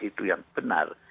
itu yang benar